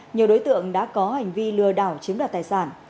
nhiều đối tượng đã có hành vi lừa đảo chiếm đoạt tài sản